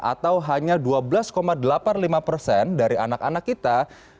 atau hanya dua belas delapan puluh lima persen dari anak anak kita